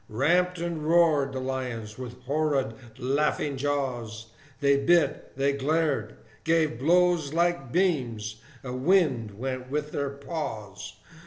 Ramped and roared the lions, with horrid laughing jaws; They bit, they glared, gave blows like beams, a wind went with their paws.